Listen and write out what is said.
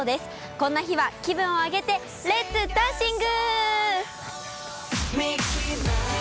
こんな日は気分を上げて、レッツダンシング。